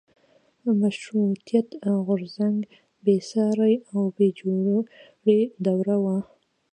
مشروطیت غورځنګ بېسارې او بې جوړې دوره وه.